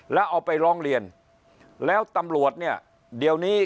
แล้วเอาไปร้องเรียนแล้วตำรวจเนี่ยเดี๋ยวนี้